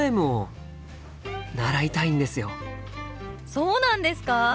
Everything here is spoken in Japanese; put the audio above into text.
そうなんですか？